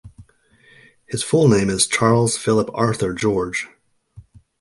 His full name is Charles Philip Arthur George.